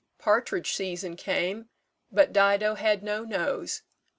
Partridge season came, but Dido had no nose.